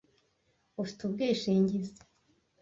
Ufite ubwishingizi?